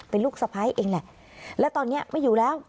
เป็นลูกสะพ้ายเองแหละและตอนนี้ไม่อยู่แล้ว